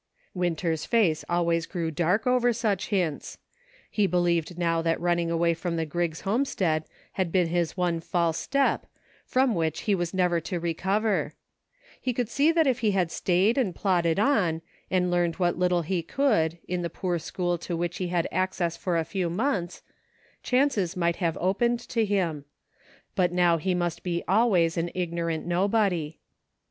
Winter's face always grew dark over such hints ; he believed now that running away from the Griggs homestead had been his one false step, from which he was never to recover. He could see that if he had stayed and plodded on, and learned what little he could, in the poor school to which he had access I08 GROWING "NECESSARY." for a few months, chances might have opened to him ; but now he must be always an ignorant nobody.